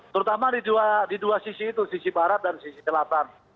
terutama di dua sisi itu sisi barat dan sisi selatan